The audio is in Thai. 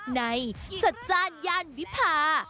ในจัดจ้านย่านวิพา